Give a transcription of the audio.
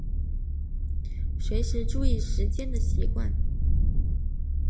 随时注意时间的习惯